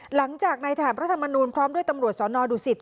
หลังจากในฐานพระธรรมนูลพร้อมด้วยตำรวจสนดุสิต